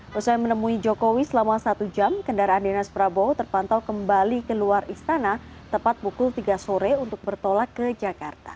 setelah menemui jokowi selama satu jam kendaraan dinas prabowo terpantau kembali ke luar istana tepat pukul tiga sore untuk bertolak ke jakarta